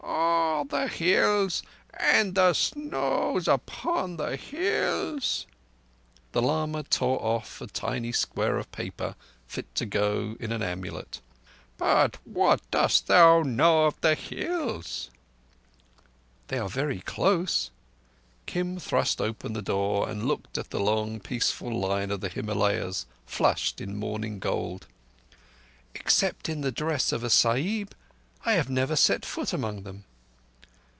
"Oh! the Hills, and the snows upon the Hills." The lami tore off a tiny square of paper fit to go in an amulet. "But what dost thou know of the Hills?" "They are very close." Kim thrust open the door and looked at the long, peaceful line of the Himalayas flushed in morning gold. "Except in the dress of a Sahib, I have never set foot among them."